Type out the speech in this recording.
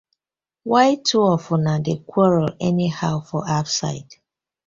Why two of una dey quarel anyhow for ouside.